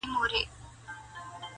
o امتحان لره راغلی کوه کن د زمانې یم ,